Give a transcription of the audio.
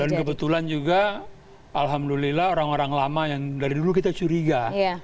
dan kebetulan juga alhamdulillah orang orang lama yang dari dulu kita curiga